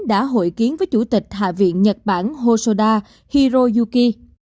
đã hội kiến với chủ tịch hạ viện nhật bản hoda hiroyuki